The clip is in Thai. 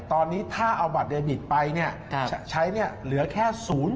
ตอนนี้ถ้าเอาบัตรเดบิตไปใช้เหลือแค่๐